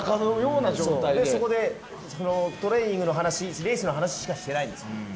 そこでトレーニングの話レースの話しかしてないんです。